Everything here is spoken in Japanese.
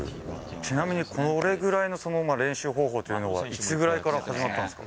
ちなみに、これぐらいの、その練習方法というのは、いつぐらいから始まったんですか？